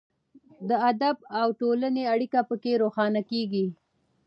د ادب او ټولنې اړیکه پکې روښانه کیږي.